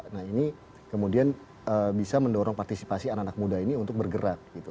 nah ini kemudian bisa mendorong partisipasi anak anak muda ini untuk bergerak gitu